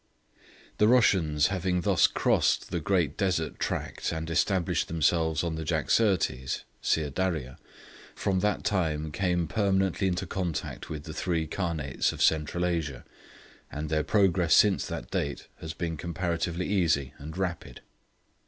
The Russians having thus crossed the great desert tract and established themselves on the Jaxartes (Sir Daria), from that time came permanently into contact with the three Khanates of Central Asia, and their progress since that date has been comparatively easy and rapid.